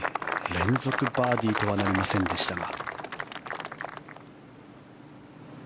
連続バーディーとはなりませんでしたが。